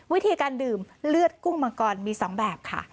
วิธีการดื่มเลือดกุ้งมังกรมี๒แบบค่ะ